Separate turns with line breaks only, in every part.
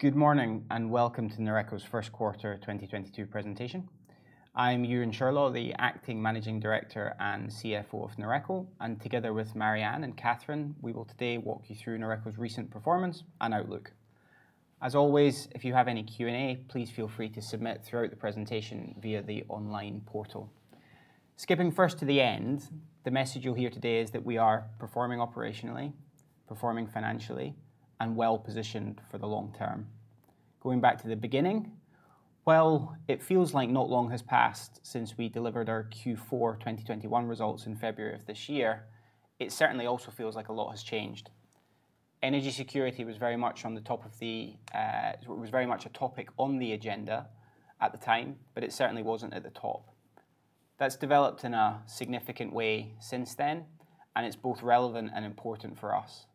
Good morning, and welcome to Noreco's first quarter 2022 presentation. I'm Euan Shirlaw, the acting managing director and CFO of Noreco, and together with Marianne and Cathrine, we will today walk you through Noreco's recent performance and outlook. As always, if you have any Q&A, please feel free to submit throughout the presentation via the online portal. Skipping first to the end, the message you'll hear today is that we are performing operationally, performing financially, and well-positioned for the long term. Going back to the beginning, while it feels like not long has passed since we delivered our Q4 2021 results in February of this year, it certainly also feels like a lot has changed. Energy security was very much a topic on the agenda at the time, but it certainly wasn't at the top. That's developed in a significant way since then, and it's both relevant and important for us.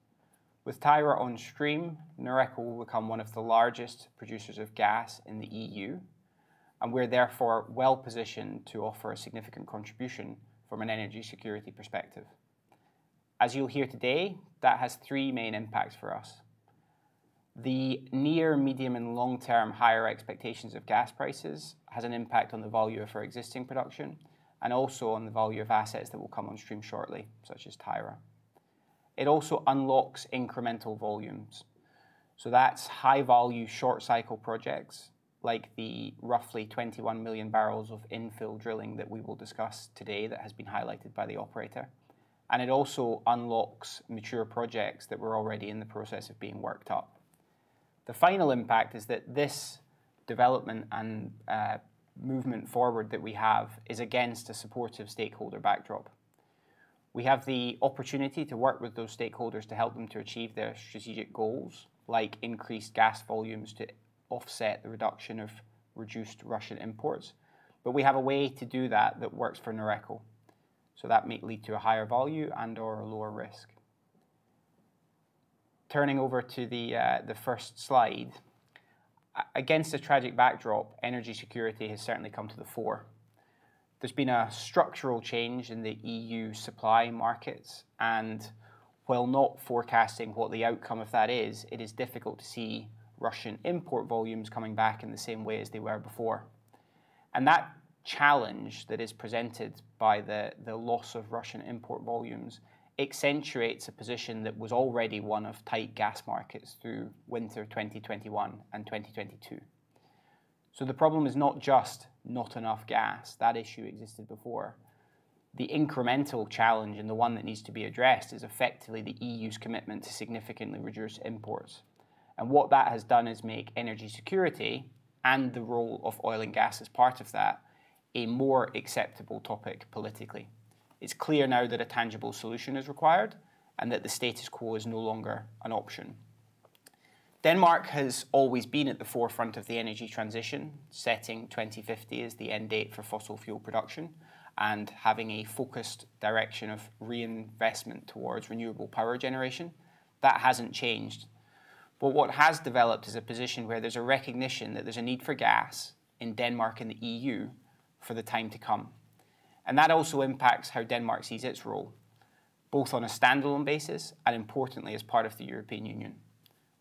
With Tyra on stream, Noreco will become one of the largest producers of gas in the EU, and we're therefore well-positioned to offer a significant contribution from an energy security perspective. As you'll hear today, that has three main impacts for us. The near, medium, and long-term higher expectations of gas prices has an impact on the value of our existing production and also on the value of assets that will come on stream shortly, such as Tyra. It also unlocks incremental volumes. That's high-value short cycle projects, like the roughly 21 million barrels of infill drilling that we will discuss today that has been highlighted by the operator, and it also unlocks mature projects that were already in the process of being worked up. The final impact is that this development and movement forward that we have is against a supportive stakeholder backdrop. We have the opportunity to work with those stakeholders to help them to achieve their strategic goals, like increased gas volumes to offset the reduction of reduced Russian imports, but we have a way to do that that works for Noreco, so that may lead to a higher value and/or a lower risk. Turning over to the first slide. Against a tragic backdrop, energy security has certainly come to the fore. There's been a structural change in the EU supply markets, and while not forecasting what the outcome of that is, it is difficult to see Russian import volumes coming back in the same way as they were before. That challenge that is presented by the loss of Russian import volumes accentuates a position that was already one of tight gas markets through winter 2021 and 2022. The problem is not just not enough gas. That issue existed before. The incremental challenge and the one that needs to be addressed is effectively the EU's commitment to significantly reduce imports. What that has done is make energy security and the role of oil and gas as part of that a more acceptable topic politically. It's clear now that a tangible solution is required, and that the status quo is no longer an option. Denmark has always been at the forefront of the energy transition, setting 2050 as the end date for fossil fuel production and having a focused direction of reinvestment towards renewable power generation. That hasn't changed. What has developed is a position where there's a recognition that there's a need for gas in Denmark and the EU for the time to come. That also impacts how Denmark sees its role, both on a standalone basis and importantly as part of the European Union.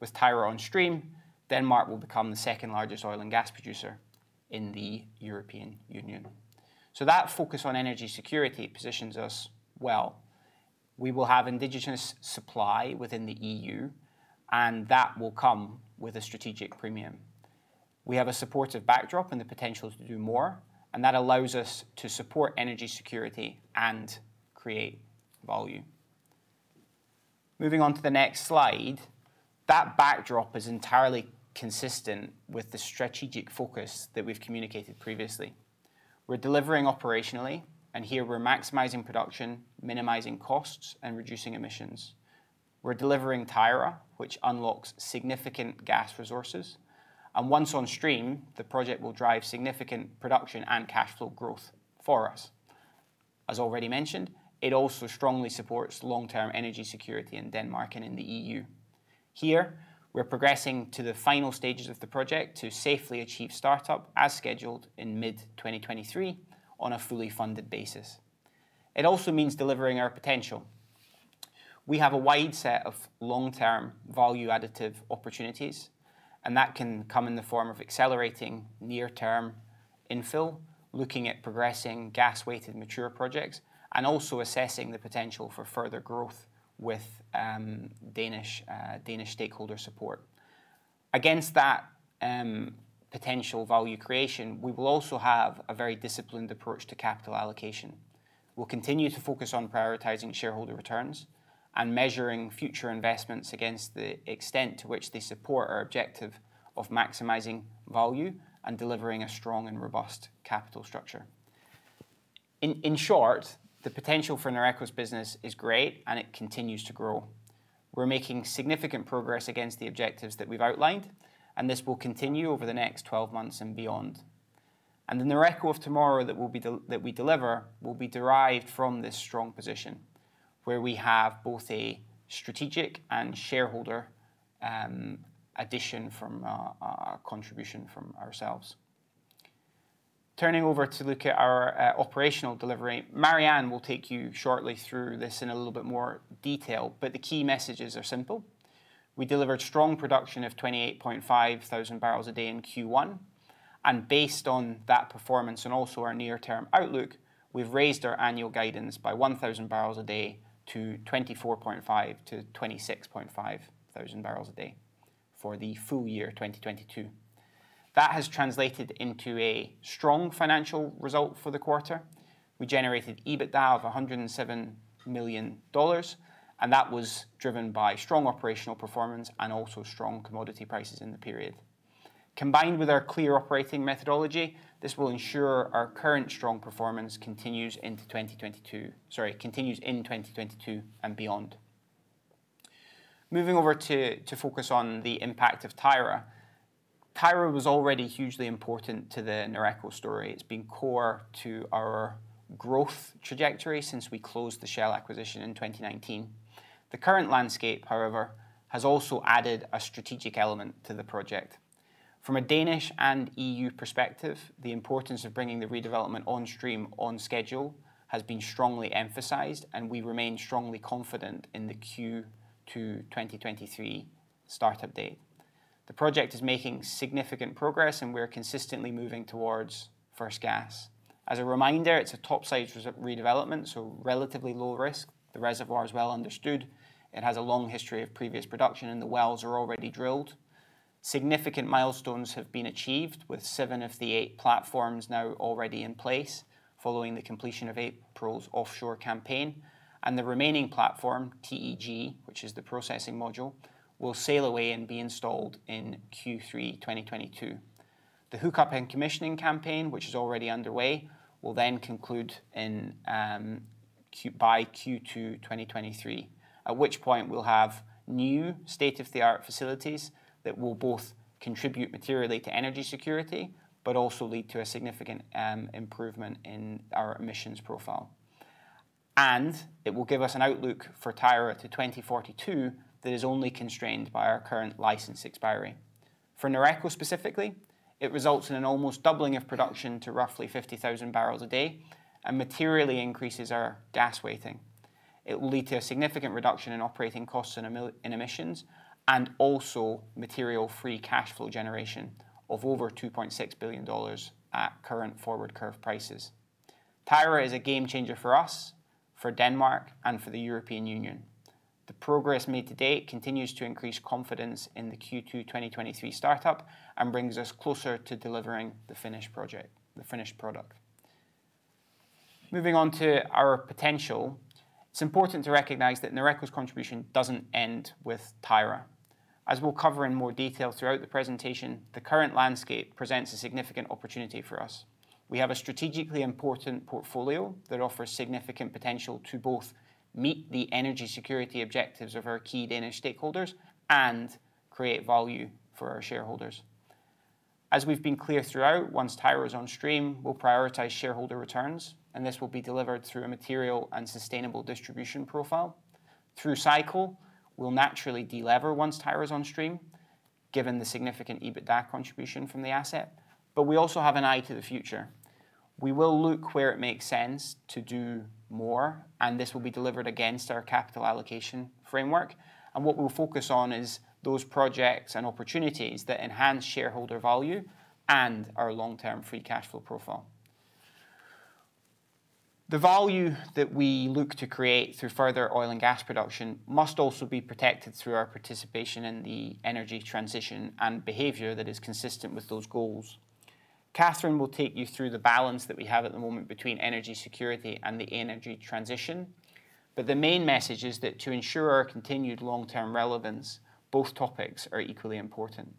With Tyra on stream, Denmark will become the second-largest oil and gas producer in the European Union. That focus on energy security positions us well. We will have indigenous supply within the EU, and that will come with a strategic premium. We have a supportive backdrop and the potential to do more, and that allows us to support energy security and create value. Moving on to the next slide, that backdrop is entirely consistent with the strategic focus that we've communicated previously. We're delivering operationally, and here we're maximizing production, minimizing costs, and reducing emissions. We're delivering Tyra, which unlocks significant gas resources, and once on stream, the project will drive significant production and cash flow growth for us. As already mentioned, it also strongly supports long-term energy security in Denmark and in the EU. Here, we're progressing to the final stages of the project to safely achieve startup as scheduled in mid-2023 on a fully funded basis. It also means delivering our potential. We have a wide set of long-term value additive opportunities, and that can come in the form of accelerating near-term infill, looking at progressing gas-weighted mature projects, and also assessing the potential for further growth with Danish stakeholder support. Against that, potential value creation, we will also have a very disciplined approach to capital allocation. We'll continue to focus on prioritizing shareholder returns and measuring future investments against the extent to which they support our objective of maximizing value and delivering a strong and robust capital structure. In short, the potential for Noreco's business is great, and it continues to grow. We're making significant progress against the objectives that we've outlined, and this will continue over the next 12 months and beyond. The Noreco of tomorrow that we deliver will be derived from this strong position. Where we have both a strategic and shareholder addition from a contribution from ourselves. Turning over to look at our operational delivery. Marianne will take you shortly through this in a little bit more detail, but the key messages are simple. We delivered strong production of 28,500 barrels a day in Q1, and based on that performance and also our near-term outlook, we've raised our annual guidance by 1,000 barrels a day to 24,500-26,500 barrels a day for the full year 2022. That has translated into a strong financial result for the quarter. We generated EBITDA of $107 million, and that was driven by strong operational performance and also strong commodity prices in the period. Combined with our clear operating methodology, this will ensure our current strong performance continues into 2022. Sorry, continues in 2022 and beyond. Moving over to focus on the impact of Tyra. Tyra was already hugely important to the Noreco story. It's been core to our growth trajectory since we closed the Shell acquisition in 2019. The current landscape, however, has also added a strategic element to the project. From a Danish and EU perspective, the importance of bringing the redevelopment on stream on schedule has been strongly emphasized, and we remain strongly confident in the Q2 2023 start-up. The project is making significant progress, and we are consistently moving towards first gas. As a reminder, it's a topside redevelopment, so relatively low risk. The reservoir is well understood. It has a long history of previous production, and the wells are already drilled. Significant milestones have been achieved, with seven of the eight platforms now already in place following the completion of April's offshore campaign. The remaining platform, TEG, which is the processing module, will sail away and be installed in Q3 2022. The hookup and commissioning campaign, which is already underway, will then conclude in Q2 2023, at which point we'll have new state-of-the-art facilities that will both contribute materially to energy security, but also lead to a significant improvement in our emissions profile. It will give us an outlook for Tyra to 2042 that is only constrained by our current license expiry. For Noreco specifically, it results in an almost doubling of production to roughly 50,000 barrels a day and materially increases our gas weighting. It will lead to a significant reduction in operating costs and in emissions, and also material free cash flow generation of over $2.6 billion at current forward curve prices. Tyra is a game changer for us, for Denmark, and for the European Union. The progress made to date continues to increase confidence in the Q2 2023 startup and brings us closer to delivering the finished project, the finished product. Moving on to our potential. It's important to recognize that Noreco contribution doesn't end with Tyra. As we'll cover in more detail throughout the presentation, the current landscape presents a significant opportunity for us. We have a strategically important portfolio that offers significant potential to both meet the energy security objectives of our key Danish stakeholders and create value for our shareholders. As we've been clear throughout, once Tyra is on stream, we'll prioritize shareholder returns, and this will be delivered through a material and sustainable distribution profile. Through cycle, we'll naturally de-lever once Tyra is on stream, given the significant EBITDA contribution from the asset, but we also have an eye to the future. We will look where it makes sense to do more, and this will be delivered against our capital allocation framework. What we'll focus on is those projects and opportunities that enhance shareholder value and our long-term free cash flow profile. The value that we look to create through further oil and gas production must also be protected through our participation in the energy transition and behavior that is consistent with those goals. Cathrine will take you through the balance that we have at the moment between energy security and the energy transition, but the main message is that to ensure our continued long-term relevance, both topics are equally important.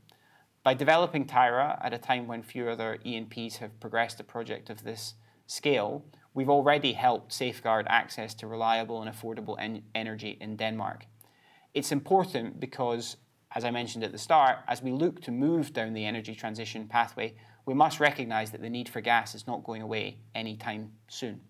By developing Tyra at a time when few other E&Ps have progressed a project of this scale, we've already helped safeguard access to reliable and affordable energy in Denmark. It's important because, as I mentioned at the start, as we look to move down the energy transition pathway, we must recognize that the need for gas is not going away anytime soon.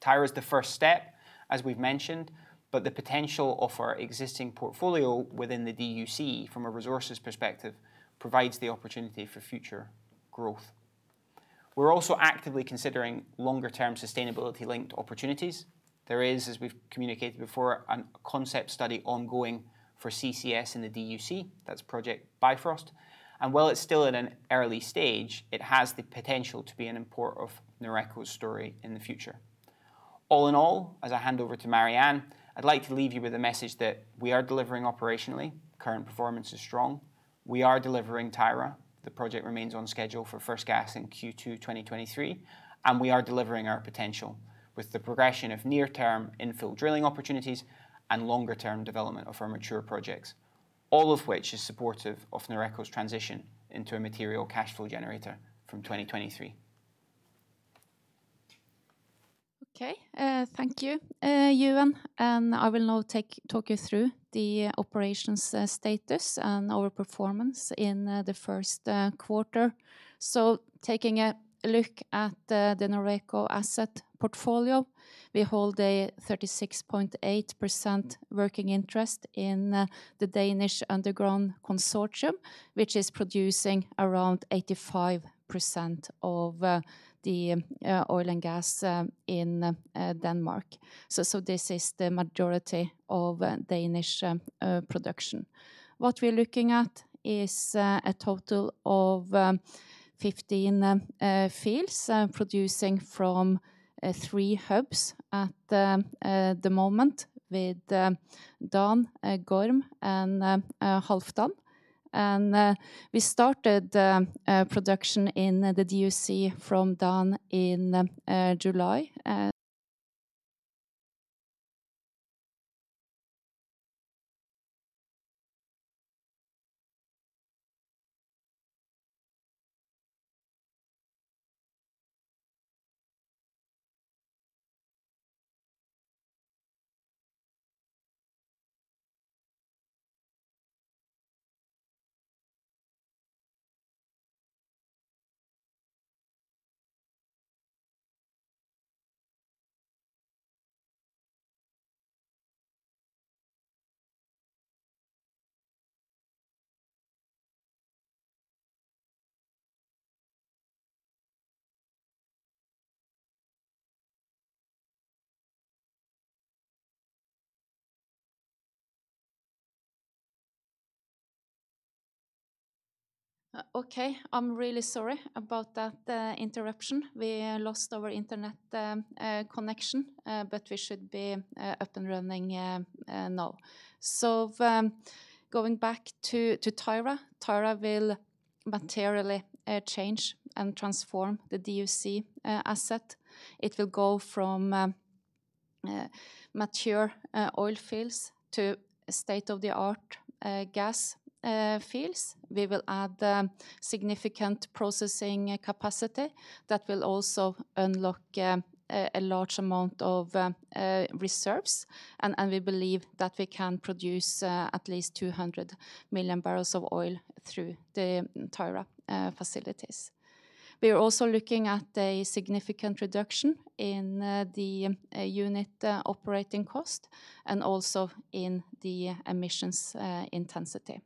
Tyra is the first step, as we've mentioned, but the potential of our existing portfolio within the DUC from a resources perspective provides the opportunity for future growth. We're also actively considering longer-term sustainability-linked opportunities. There is, as we've communicated before, a concept study ongoing for CCS in the DUC. That's Project Bifrost. While it's still at an early stage, it has the potential to be an important part of Noreco's story in the future. All in all, as I hand over to Marianne, I'd like to leave you with a message that we are delivering operationally. Current performance is strong. We are delivering Tyra. The project remains on schedule for first gas in Q2 2023, and we are delivering our potential with the progression of near-term infill drilling opportunities and longer-term development of our mature projects, all of which is supportive of Noreco's transition into a material cash flow generator from 2023.
Okay, thank you, Euan, and I will now talk you through the operations, status and our performance in the first quarter. Taking a look at the Noreco asset portfolio, we hold a 36.8% working interest in the Danish Underground Consortium, which is producing around 85% of the oil and gas in Denmark. This is the majority of Danish production. What we're looking at is a total of 15 fields producing from three hubs at the moment with Dan, Gorm, and Halfdan. We started production in the DUC from Dan in July. Okay. I'm really sorry about that interruption. We lost our internet connection, but we should be up and running now. Going back to Tyra. Tyra will materially change and transform the DUC asset. It will go from mature oil fields to state-of-the-art gas fields. We will add significant processing capacity that will also unlock a large amount of reserves. We believe that we can produce at least 200 million barrels of oil through the Tyra facilities. We are also looking at a significant reduction in the unit operating cost and also in the emissions intensity.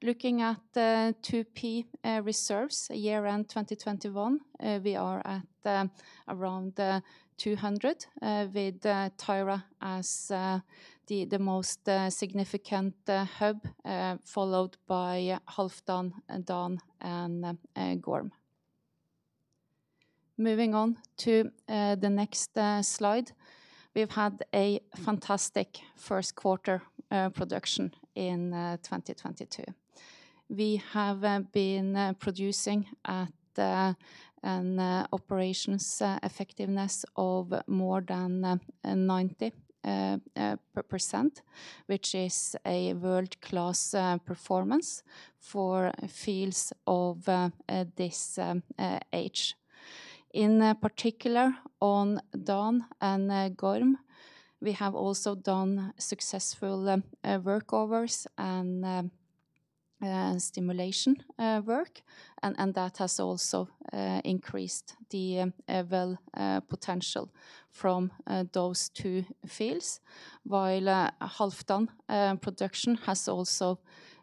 Looking at 2P reserves year-end 2021, we are at around 200 with Tyra as the most significant hub followed by Halfdan, Dan, and Gorm. Moving on to the next slide. We've had a fantastic first quarter production in 2022. We have been producing at an operational effectiveness of more than 90%, which is a world-class performance for fields of this age. In particular, on Dan and Gorm, we have also done successful workovers and stimulation work, and that has also increased the well potential from those two fields. While Halfdan production has also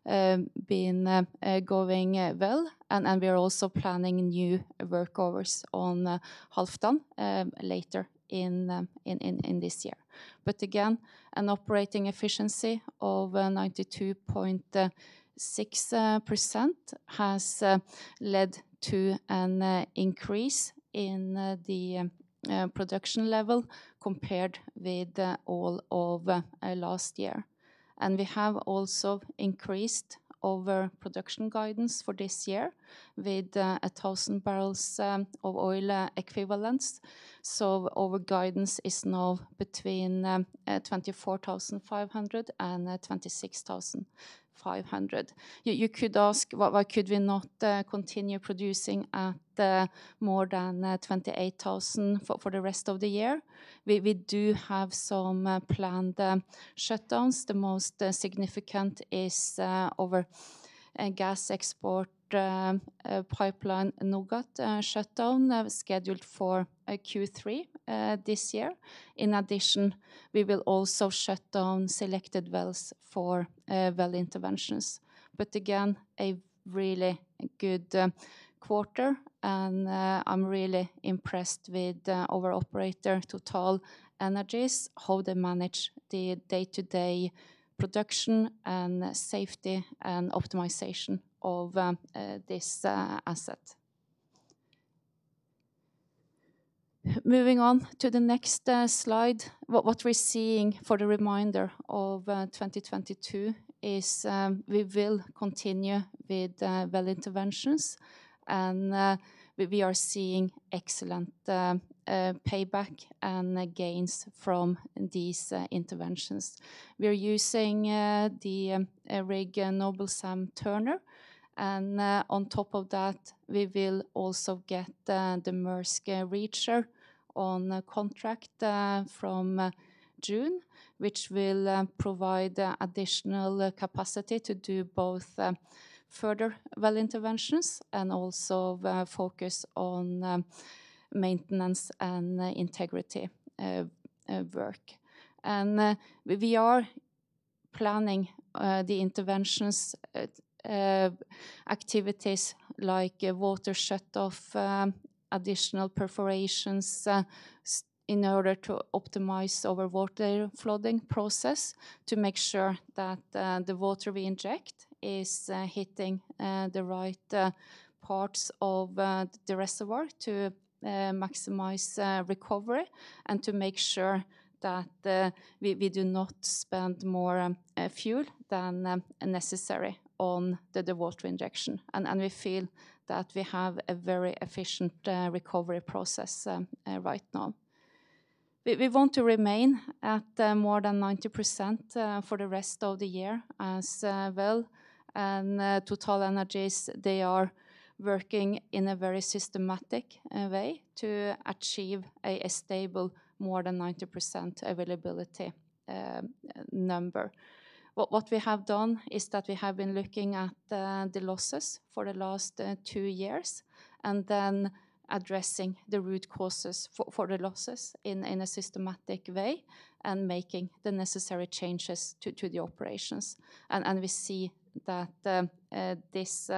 been going well and we are also planning new workovers on Halfdan later in this year. Again, an operating efficiency of 92.6% has led to an increase in the production level compared with all of last year. We have also increased our production guidance for this year with 1,000 barrels of oil equivalents. Our guidance is now between 24,500 and 26,500. You could ask, "Why could we not continue producing at more than 28,000 for the rest of the year?" We do have some planned shutdowns. The most significant is our gas export pipeline NOGAT shutdown scheduled for Q3 this year. In addition, we will also shut down selected wells for well interventions. Again, a really good quarter, and I'm really impressed with our operator, TotalEnergies, how they manage the day-to-day production and safety and optimization of this asset. Moving on to the next slide, what we're seeing for the remainder of 2022 is we will continue with well interventions, and we are seeing excellent payback and gains from these interventions. We are using the rig Noble Sam Turner, and on top of that, we will also get the Maersk Reacher on contract from June, which will provide additional capacity to do both further well interventions and also the focus on maintenance and integrity work. We are planning the intervention activities like water shutoff, additional perforations in order to optimize our water flooding process to make sure that the water we inject is hitting the right parts of the reservoir to maximize recovery and to make sure that we do not spend more fuel than necessary on the water injection. We feel that we have a very efficient recovery process right now. We want to remain at more than 90% for the rest of the year as well. TotalEnergies, they are working in a very systematic way to achieve a stable more than 90% availability number. What we have done is that we have been looking at the losses for the last two years and then addressing the root causes for the losses in a systematic way and making the necessary changes to the operations. We see that this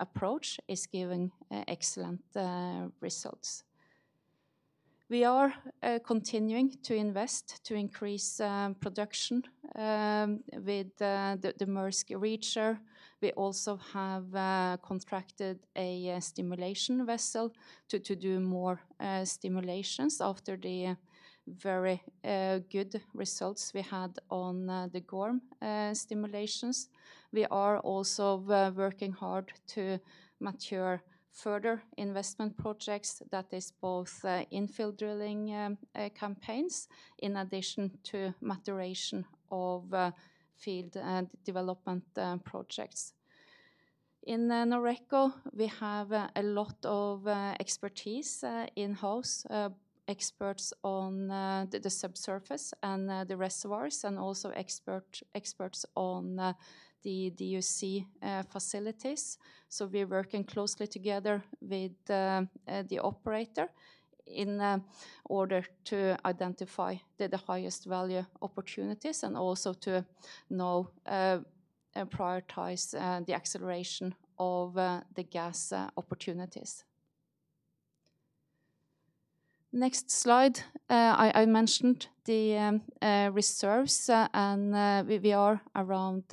approach is giving excellent results. We are continuing to invest to increase production with the Maersk Reacher. We also have contracted a stimulation vessel to do more stimulations after the very good results we had on the Gorm stimulations. We are also working hard to mature further investment projects that is both infill drilling campaigns in addition to maturation of field and development projects. In Noreco, we have a lot of expertise, in-house experts on the subsurface and the reservoirs and also experts on the DUC facilities. We're working closely together with the operator in order to identify the highest value opportunities and also to now prioritize the acceleration of the gas opportunities. Next slide. I mentioned the reserves and we are around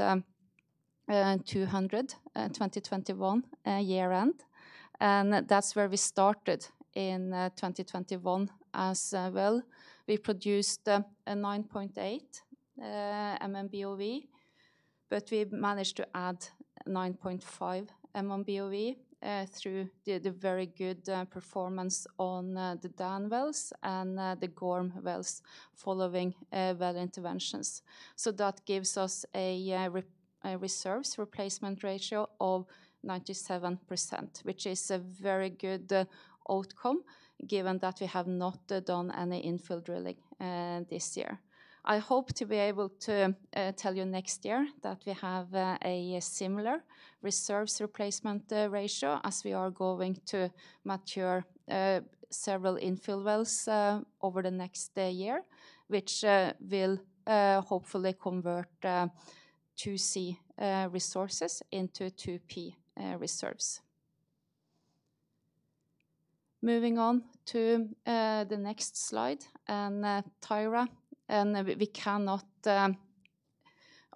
221, 2021 year-end, and that's where we started in 2021 as well. We produced 9.8 MMBOE, but we managed to add 9.5 MMBOE through the very good performance on the Dan wells and the Gorm wells following well interventions. That gives us a reserves replacement ratio of 97%, which is a very good outcome given that we have not done any infill drilling this year. I hope to be able to tell you next year that we have a similar reserves replacement ratio as we are going to mature several infill wells over the next year, which will hopefully convert 2C resources into 2P reserves. Moving on to the next slide and Tyra, we cannot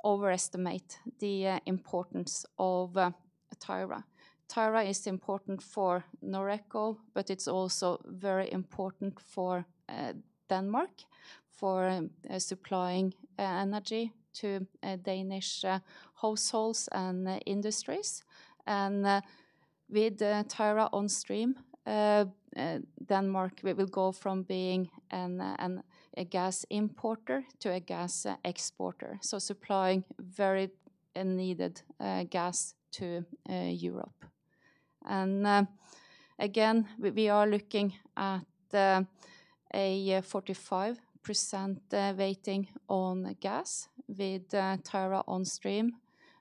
overestimate the importance of Tyra. Tyra is important for Noreco, but it's also very important for Denmark for supplying energy to Danish households and industries. With Tyra on stream, Denmark will go from being a gas importer to a gas exporter, so supplying very needed gas to Europe. Again, we are looking at a 45% weighting on gas with Tyra on stream.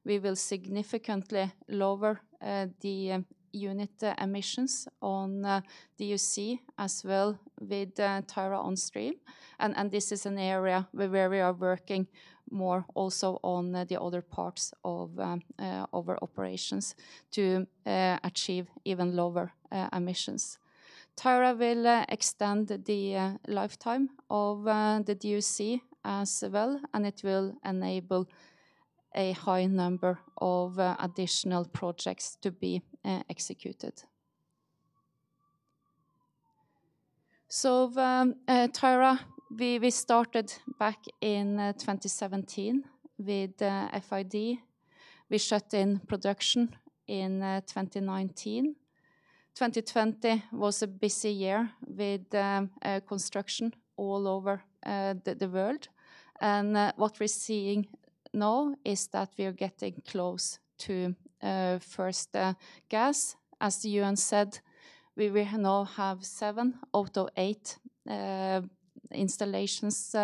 We will significantly lower the unit emissions on DUC as well with Tyra on stream. This is an area where we are working more also on the other parts of our operations to achieve even lower emissions. Tyra will extend the lifetime of the DUC as well, and it will enable a high number of additional projects to be executed. Tyra, we started back in 2017 with FID. We shut in production in 2019. 2020 was a busy year with construction all over the world. What we're seeing now is that we are getting close to first gas. As Euan said, we will now have seven out of eight installations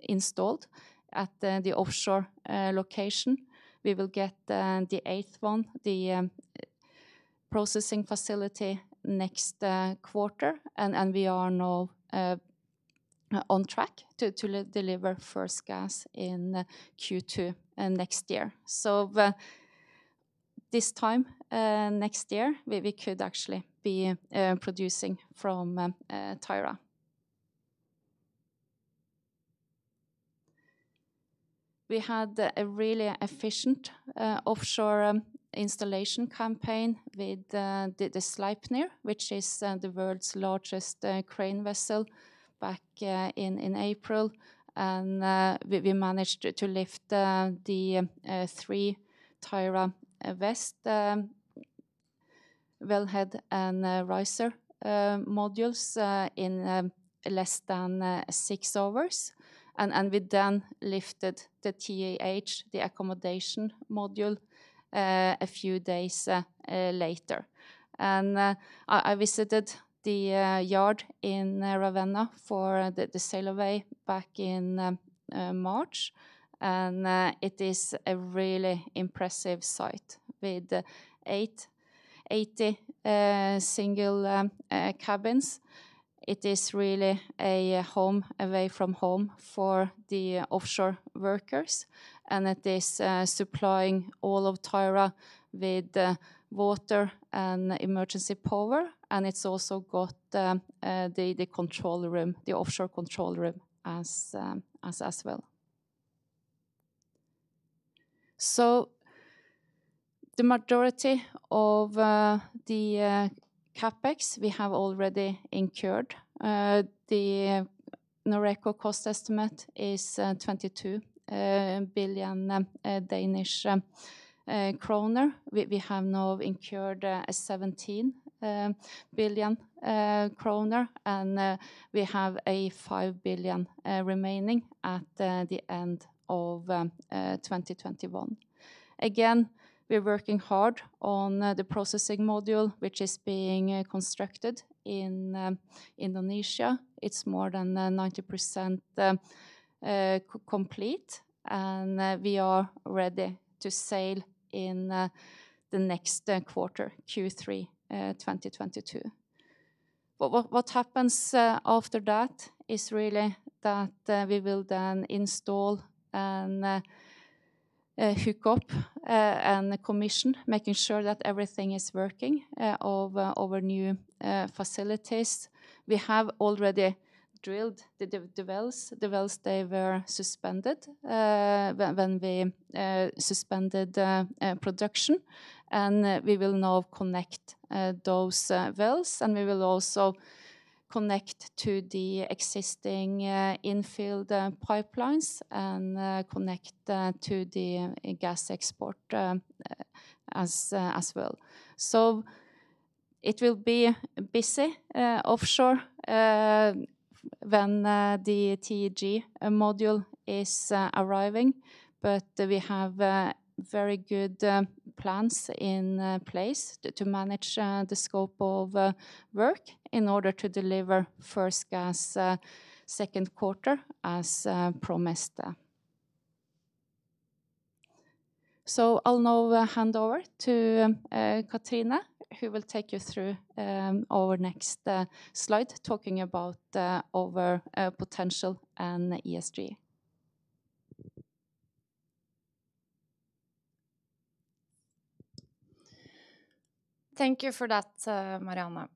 installed at the offshore location. We will get the eighth one, the processing facility next quarter. We are now on track to deliver first gas in Q2 next year. This time next year, we could actually be producing from Tyra. We had a really efficient offshore installation campaign with the Sleipnir, which is the world's largest crane vessel, back in April. We managed to lift the three Tyra west wellhead and riser modules in less than six hours. We then lifted the TAH, the accommodation module, a few days later. I visited the yard in Ravenna for the sail away back in March. It is a really impressive site with eighty single cabins. It is really a home away from home for the offshore workers, and it is supplying all of Tyra with water and emergency power, and it's also got the control room, the offshore control room as well. The majority of the CapEx we have already incurred. The Noreco cost estimate is 22 billion Danish kroner. We have now incurred 17 billion kroner, and we have a 5 billion remaining at the end of 2021. Again, we're working hard on the processing module, which is being constructed in Indonesia. It's more than 90% complete, and we are ready to sail in the next quarter, Q3 2022. What happens after that is really that we will then install and hook up and commission, making sure that everything is working on our new facilities. We have already drilled the wells. The wells they were suspended when we suspended production. We will now connect those wells, and we will also connect to the existing in-field pipelines and connect to the gas export as well. It will be busy offshore when the TEG module is arriving. We have very good plans in place to manage the scope of work in order to deliver first gas second quarter as promised. I'll now hand over to Cathrine, who will take you through our next slide talking about our potential and ESG.
Thank you for that, Marianne.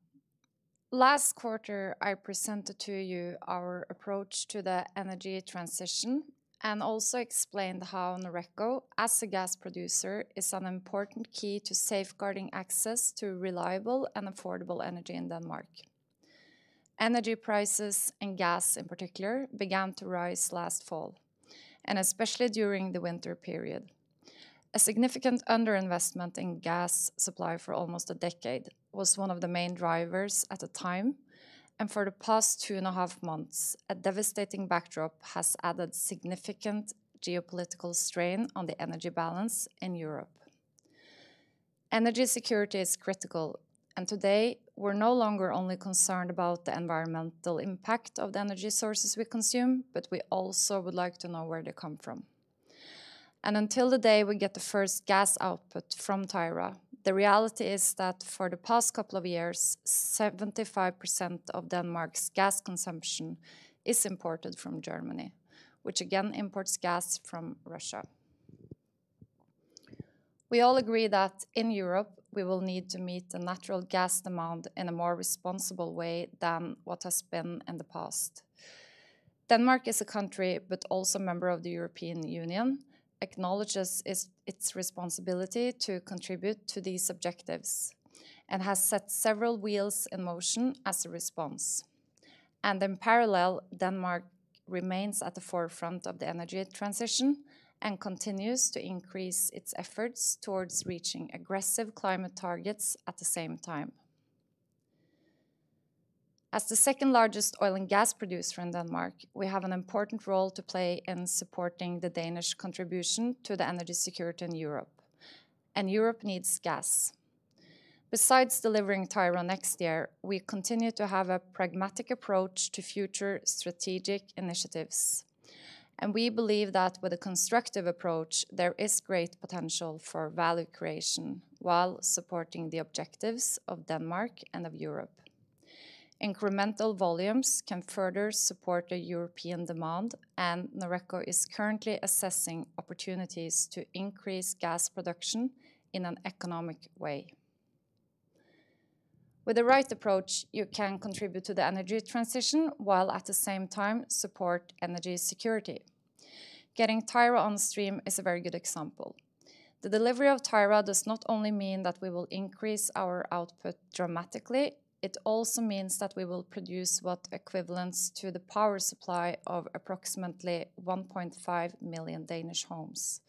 Last quarter, I presented to you our approach to the energy transition and also explained how Noreco as a gas producer is an important key to safeguarding access to reliable and affordable energy in Denmark. Energy prices, and gas in particular, began to rise last fall, and especially during the winter period. A significant underinvestment in gas supply for almost a decade was one of the main drivers at the time. For the past two and a half months, a devastating backdrop has added significant geopolitical strain on the energy balance in Europe. Energy security is critical, and today we're no longer only concerned about the environmental impact of the energy sources we consume, but we also would like to know where they come from. Until the day we get the first gas output from Tyra, the reality is that for the past couple of years, 75% of Denmark's gas consumption is imported from Germany, which again imports gas from Russia. We all agree that in Europe we will need to meet the natural gas demand in a more responsible way than what has been in the past. Denmark is a country but also member of the European Union acknowledges its responsibility to contribute to these objectives and has set several wheels in motion as a response. In parallel, Denmark remains at the forefront of the energy transition and continues to increase its efforts towards reaching aggressive climate targets at the same time. As the second-largest oil and gas producer in Denmark, we have an important role to play in supporting the Danish contribution to the energy security in Europe, and Europe needs gas. Besides delivering Tyra next year, we continue to have a pragmatic approach to future strategic initiatives, and we believe that with a constructive approach there is great potential for value creation while supporting the objectives of Denmark and of Europe. Incremental volumes can further support the European demand, and Noreco is currently assessing opportunities to increase gas production in an economic way. With the right approach, you can contribute to the energy transition while at the same time support energy security. Getting Tyra on stream is a very good example. The delivery of Tyra does not only mean that we will increase our output dramatically, it also means that we will produce what equates to the power supply of approximately 1.5 million Danish homes.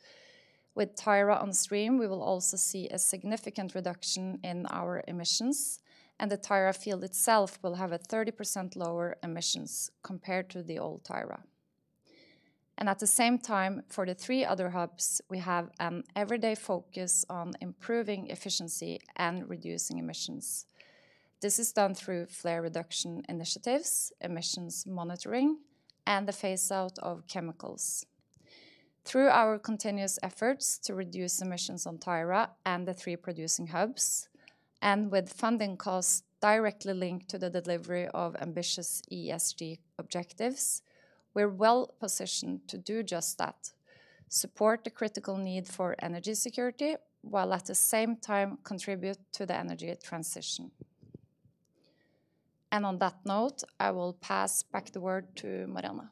With Tyra on stream, we will also see a significant reduction in our emissions, and the Tyra field itself will have a 30% lower emissions compared to the old Tyra. At the same time, for the three other hubs, we have an everyday focus on improving efficiency and reducing emissions. This is done through flare reduction initiatives, emissions monitoring, and the phase out of chemicals. Through our continuous efforts to reduce emissions on Tyra and the three producing hubs, and with funding costs directly linked to the delivery of ambitious ESG objectives, we're well-positioned to do just that, support the critical need for energy security while at the same time contribute to the energy transition. On that note, I will pass back the word to Marianne.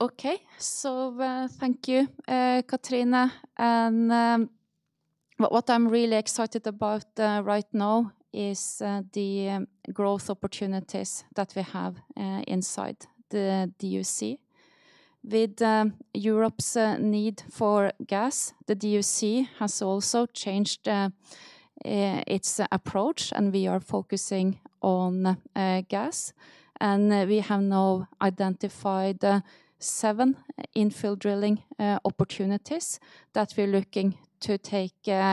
Okay. Thank you, Cathrine. What I'm really excited about right now is the growth opportunities that we have inside the DUC. With Europe's need for gas, the DUC has also changed its approach, and we are focusing on gas. We have now identified seven infill drilling opportunities that we're looking to take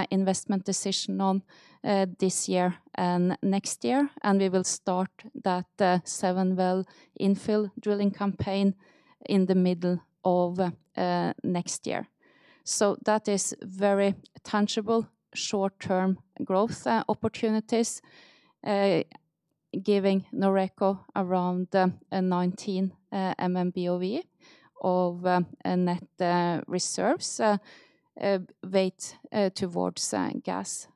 investment decision on this year and next year. We will start that seven-well infill drilling campaign in the middle of next year. That is very tangible short-term growth opportunities giving Noreco around 19 MMBOE of net reserves weighted towards gas.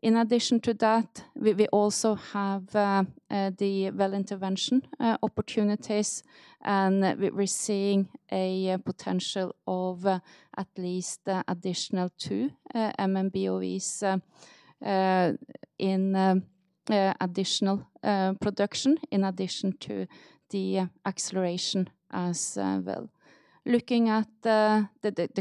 In addition to that, we also have the well intervention opportunities, and we're seeing a potential of at least additional 2 MMBOEs in additional production in addition to the acceleration as well. Looking at the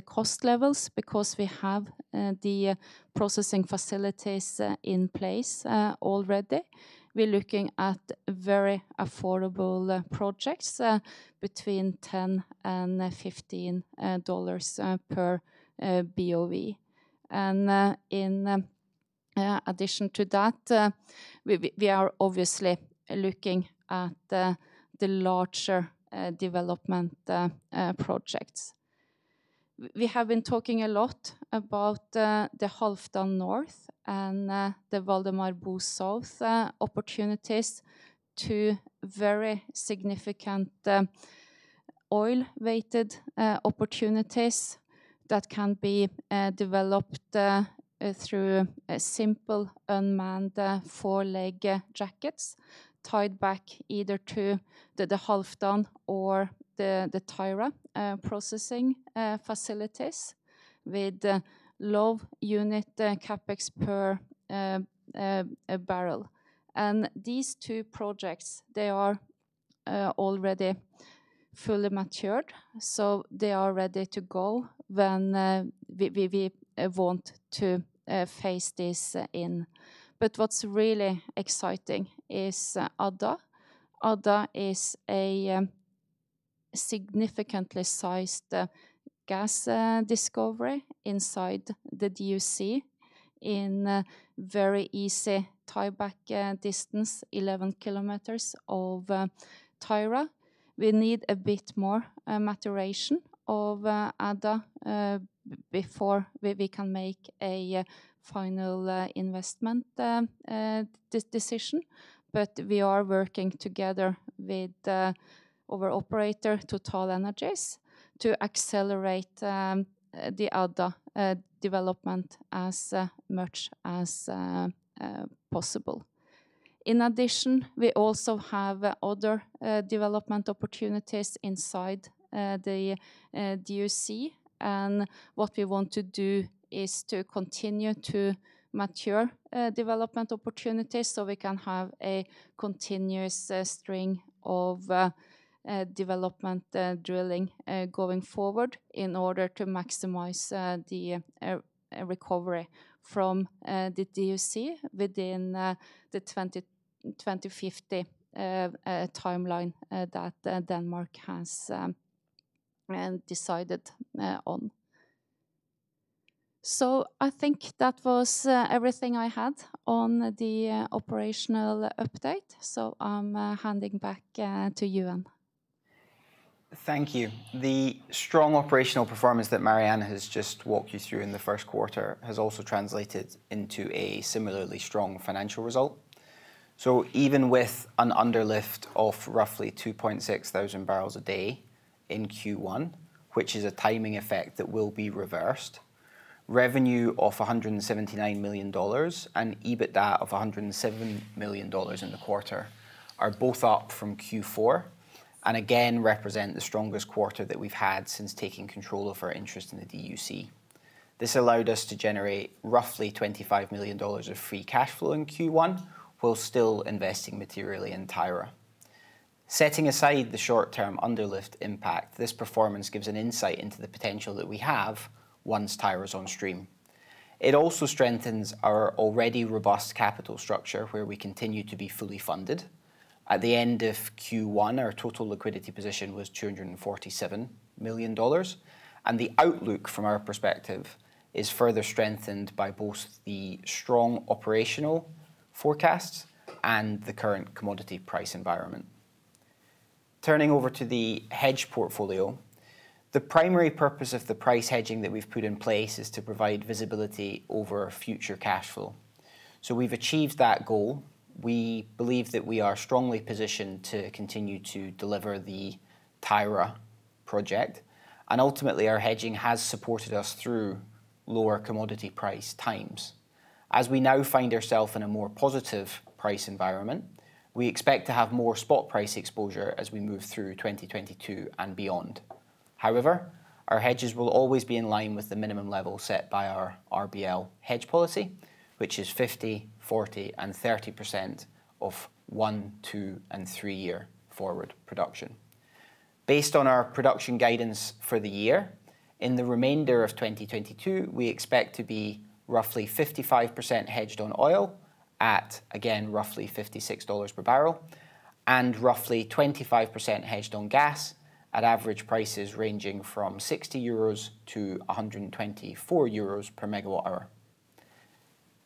cost levels, because we have the processing facilities in place already, we're looking at very affordable projects between $10-$15 per BOE. In addition to that, we are obviously looking at the larger development projects. We have been talking a lot about the Halfdan North and the Valdemar Bo South opportunities, two very significant oil-weighted opportunities that can be developed through simple unmanned four-leg jackets tied back either to the Halfdan or the Tyra processing facilities with low unit CapEx per barrel. These two projects, they are already fully matured, so they are ready to go when we want to phase these in. What's really exciting is Ada. Ada is a significantly sized gas discovery inside the DUC in a very easy tieback distance, 11 kilometers of Tyra. We need a bit more maturation of Ada before we can make a final investment decision. We are working together with our operator, TotalEnergies, to accelerate the Ada development as much as possible. In addition, we also have other development opportunities inside the DUC. What we want to do is to continue to mature development opportunities so we can have a continuous string of development drilling going forward in order to maximize the recovery from the DUC within the 2025 timeline that Denmark has decided on. I think that was everything I had on the operational update, so I'm handing back to Euan.
Thank you. The strong operational performance that Marianne has just walked you through in the first quarter has also translated into a similarly strong financial result. Even with an underlift of roughly 2.6 thousand barrels a day in Q1, which is a timing effect that will be reversed, revenue of $179 million and EBITDA of $107 million in the quarter are both up from Q4, and again, represent the strongest quarter that we've had since taking control of our interest in the DUC. This allowed us to generate roughly $25 million of free cash flow in Q1 while still investing materially in Tyra. Setting aside the short-term underlift impact, this performance gives an insight into the potential that we have once Tyra's on stream. It also strengthens our already robust capital structure, where we continue to be fully funded. At the end of Q1, our total liquidity position was $247 million, and the outlook from our perspective is further strengthened by both the strong operational forecasts and the current commodity price environment. Turning over to the hedge portfolio, the primary purpose of the price hedging that we've put in place is to provide visibility over future cash flow. We've achieved that goal. We believe that we are strongly positioned to continue to deliver the Tyra project, and ultimately, our hedging has supported us through lower commodity price times. As we now find ourselves in a more positive price environment, we expect to have more spot price exposure as we move through 2022 and beyond. However, our hedges will always be in line with the minimum level set by our RBL hedge policy, which is 50, 40, and 30% of 1-, 2-, and 3-year forward production. Based on our production guidance for the year, in the remainder of 2022, we expect to be roughly 55% hedged on oil at, again, roughly $56 per barrel, and roughly 25% hedged on gas at average prices ranging from 60-124 euros per megawatt hour.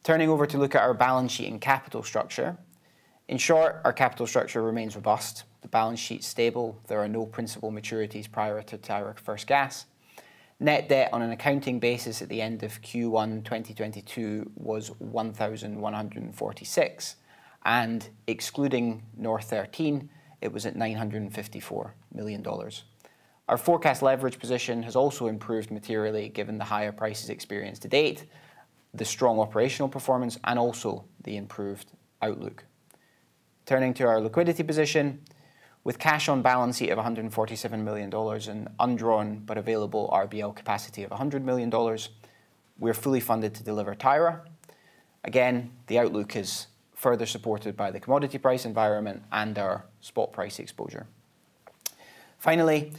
Turning over to look at our balance sheet and capital structure. In short, our capital structure remains robust, the balance sheet stable. There are no principal maturities prior to Tyra II first gas. Net debt on an accounting basis at the end of Q1 2022 was $1,146 million, and excluding NOR13, it was at $954 million. Our forecast leverage position has also improved materially given the higher prices experienced to date, the strong operational performance, and also the improved outlook. Turning to our liquidity position. With cash on balance sheet of $147 million and undrawn, but available RBL capacity of $100 million, we are fully funded to deliver Tyra. Again, the outlook is further supported by the commodity price environment and our spot price exposure. Finally,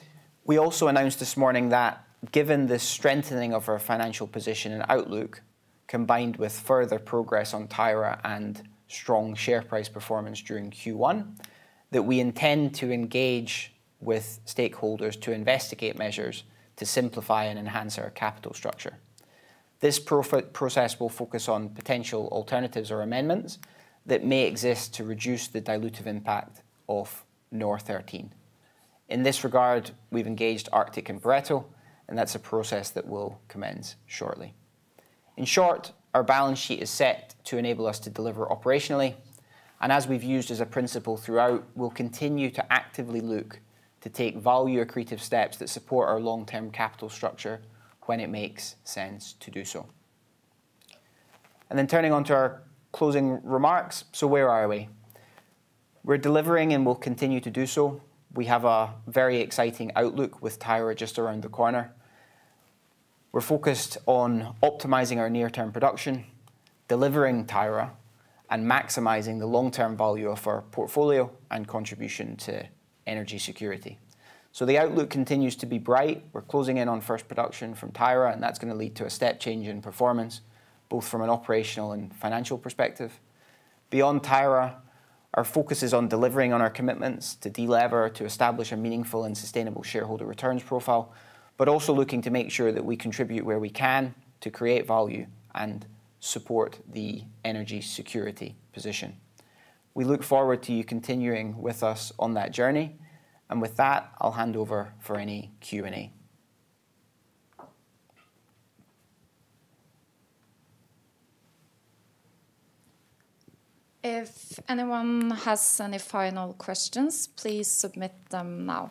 we also announced this morning that given the strengthening of our financial position and outlook, combined with further progress on Tyra and strong share price performance during Q1, that we intend to engage with stakeholders to investigate measures to simplify and enhance our capital structure. This process will focus on potential alternatives or amendments that may exist to reduce the dilutive impact of NOR13. In this regard, we've engaged Arctic Securities and Pareto Securities, and that's a process that will commence shortly. In short, our balance sheet is set to enable us to deliver operationally, and as we've used as a principle throughout, we'll continue to actively look to take value accretive steps that support our long-term capital structure when it makes sense to do so. Turning to our closing remarks. Where are we? We're delivering, and we'll continue to do so. We have a very exciting outlook with Tyra just around the corner. We're focused on optimizing our near-term production, delivering Tyra, and maximizing the long-term value of our portfolio and contribution to energy security. The outlook continues to be bright. We're closing in on first production from Tyra, and that's gonna lead to a step change in performance, both from an operational and financial perspective. Beyond Tyra, our focus is on delivering on our commitments to delever, to establish a meaningful and sustainable shareholder returns profile, but also looking to make sure that we contribute where we can to create value and support the energy security position. We look forward to you continuing with us on that journey, and with that, I'll hand over for any Q&A.
If anyone has any final questions, please submit them now.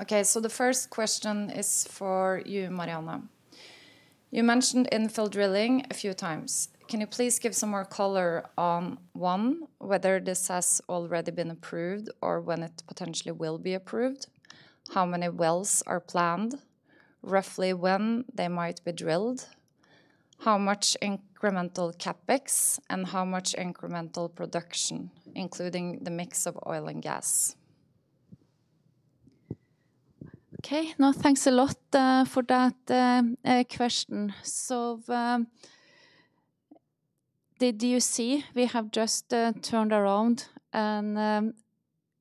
Okay. The first question is for you, Marianne. You mentioned infill drilling a few times. Can you please give some more color on, one, whether this has already been approved or when it potentially will be approved? How many wells are planned? Roughly when they might be drilled? How much incremental CapEx, and how much incremental production, including the mix of oil and gas?
Okay. No, thanks a lot for that question. Did you see we have just turned around and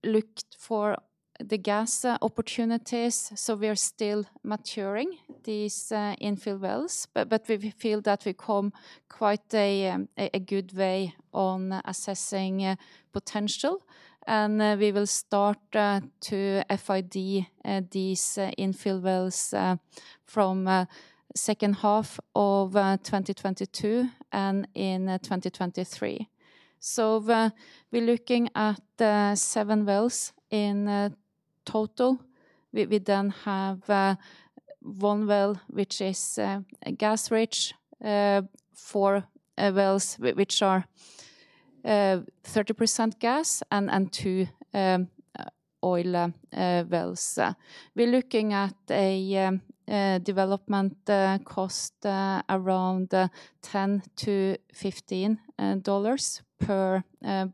looked for the gas opportunities, so we are still maturing these infill wells. We feel that we come quite a good way on assessing potential. We will start to FID these infill wells from second half of 2022 and in 2023. We're looking at 7 wells in total. We then have 1 well which is gas-rich, 4 wells which are 30% gas and 2 oil wells. We're looking at a development cost around $10-$15 per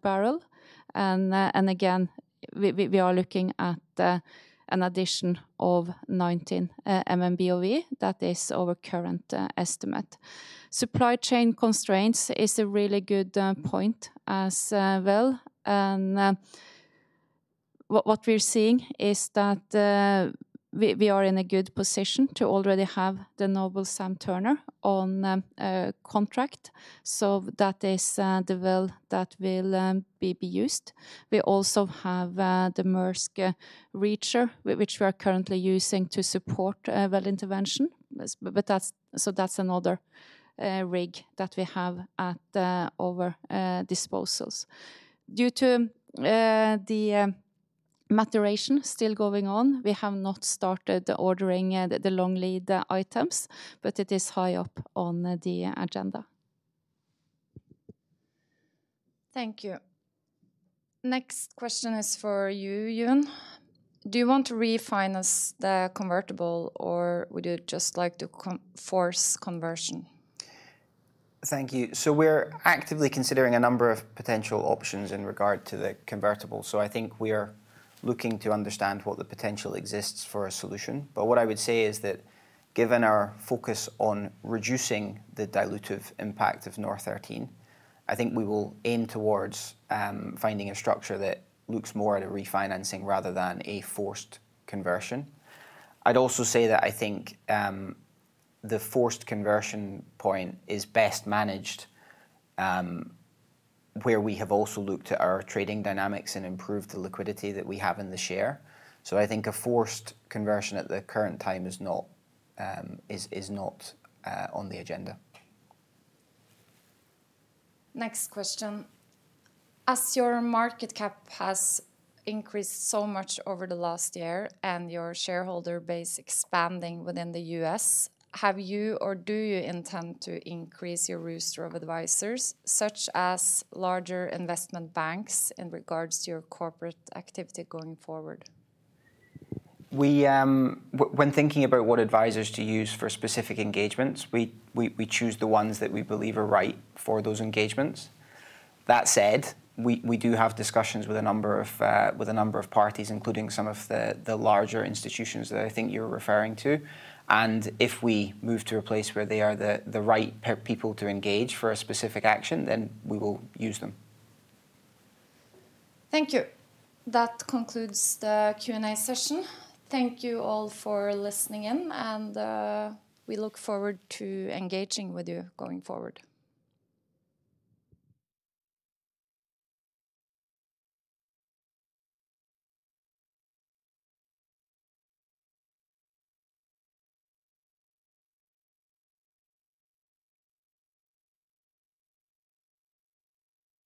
barrel. Again, we are looking at an addition of 19 MMBOE. That is our current estimate. Supply chain constraints is a really good point as well. What we're seeing is that we are in a good position to already have the Noble Sam Turner on contract. That is the well that will be used. We also have the Maersk Reacher which we are currently using to support well intervention. That's another rig that we have at our disposal. Due to the maturation still going on, we have not started ordering the long lead items, but it is high up on the agenda.
Thank you. Next question is for you, Euan. Do you want to refinance the convertible, or would you just like to force conversion?
Thank you. We're actively considering a number of potential options in regard to the convertible. I think we are looking to understand what the potential exists for a solution. What I would say is that given our focus on reducing the dilutive impact of NOR13, I think we will aim towards finding a structure that looks more at a refinancing rather than a forced conversion. I'd also say that I think the forced conversion point is best managed where we have also looked at our trading dynamics and improved the liquidity that we have in the share. I think a forced conversion at the current time is not on the agenda.
Next question. As your market cap has increased so much over the last year and your shareholder base expanding within the U.S., have you or do you intend to increase your roster of advisors, such as larger investment banks, in regards to your corporate activity going forward?
When thinking about what advisors to use for specific engagements, we choose the ones that we believe are right for those engagements. That said, we do have discussions with a number of parties, including some of the larger institutions that I think you're referring to. If we move to a place where they are the right people to engage for a specific action, then we will use them.
Thank you. That concludes the Q&A session. Thank you all for listening in, and we look forward to engaging with you going forward.